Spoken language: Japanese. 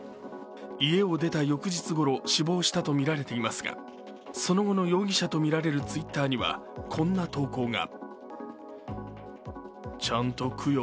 家を出た翌日ごろ死亡したとみられていますが、その後の容疑者とみられるＴｗｉｔｔｅｒにはこんな投稿が。